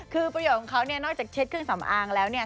คือประโยชน์ของเขาเนี่ยนอกจากเช็ดเครื่องสำอางแล้วเนี่ย